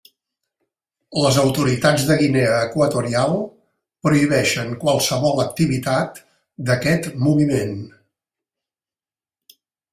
Les autoritats de Guinea Equatorial prohibeixen qualsevol activitat d'aquest moviment.